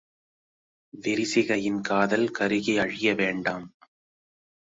விரிசிகையின் காதல் கருகி அழிய வேண்டாம்.